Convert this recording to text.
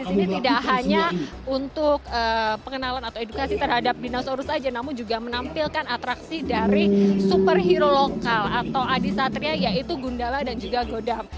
di sini tidak hanya untuk pengenalan atau edukasi terhadap dinosaurus saja namun juga menampilkan atraksi dari superhero lokal atau adi satria yaitu gundala dan juga godam